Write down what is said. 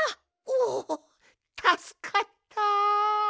おおたすかった。